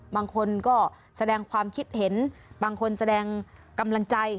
บางคนก็แสดงความคิดเห็นบางคนแสดงกำลังใจ